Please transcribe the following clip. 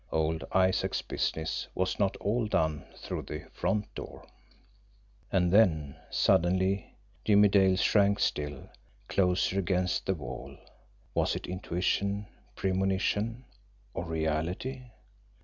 Old Isaac's business was not all done through the front door. And then suddenly Jimmie Dale shrank still closer against the wall. Was it intuition, premonition or reality?